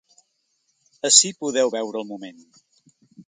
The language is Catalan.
Ací podeu veure el moment.